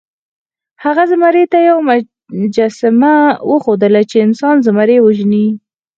هغه زمري ته یوه مجسمه وښودله چې انسان زمری وژني.